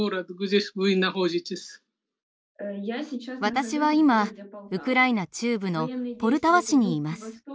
私は今ウクライナ中部のポルタワ市にいます。